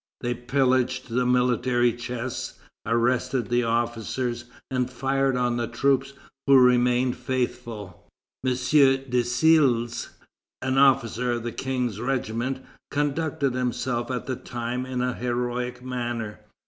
They pillaged the military chests, arrested the officers, and fired on the troops who remained faithful. M. Desilles, an officer of the King's regiment, conducted himself at the time in a heroic manner.